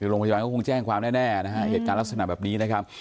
โรงพยาบาลก็คงแจ้งความแน่นะฮะเหตุการณ์ลักษณะแบบนี้นะครับ